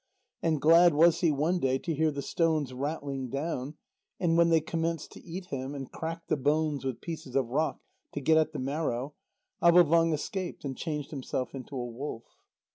And glad was he one day to hear the stones rattling down, and when they commenced to eat him, and cracked the bones with pieces of rock to get at the marrow, Avôvang escaped and changed himself into a wolf.